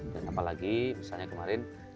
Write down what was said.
dan apalagi misalnya kemarin